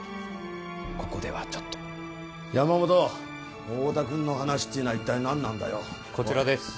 ここではちょっと山本太田君の話っていうのは一体何なんだよこちらですおい